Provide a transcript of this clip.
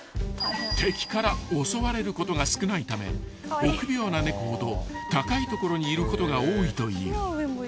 ［敵から襲われることが少ないため臆病な猫ほど高い所にいることが多いという］